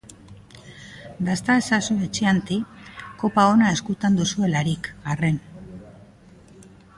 Dasta ezazue chianti kopa ona eskutan duzuelarik, arren.